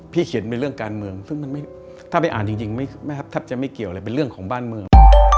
เขียนเป็นเรื่องการเมืองซึ่งถ้าไปอ่านจริงแทบจะไม่เกี่ยวเลยเป็นเรื่องของบ้านเมือง